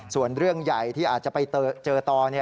ส่วนเรื่องใหญ่ที่อาจจะไปเจอต่อ